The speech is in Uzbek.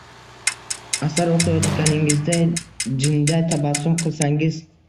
Asar o’qiyotganingizda jinday tabassum qilsangiz